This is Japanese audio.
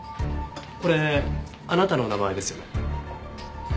これあなたの名前ですよね？